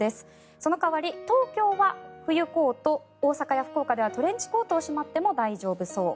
その代わり東京は冬コート大阪や福岡ではトレンチコートをしまっても大丈夫そう。